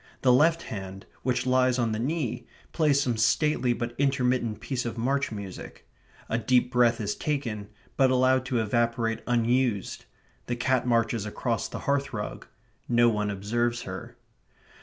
The left hand, which lies on the knee, plays some stately but intermittent piece of march music. A deep breath is taken; but allowed to evaporate unused. The cat marches across the hearth rug. No one observes her.